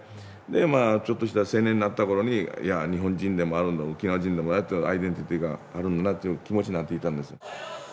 でまあちょっとした青年になったころにいや日本人でもあるんだ沖縄人でもあるってアイデンティティーがあるんだなという気持ちになっていたんですよ。